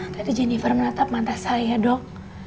tadi jennifer menetap mata saya dok